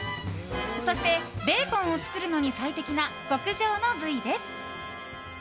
そしてベーコンを作るのに最適な極上の部位です。